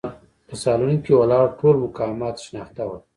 په سالون کې ولاړ ټول مقامات شناخته ول.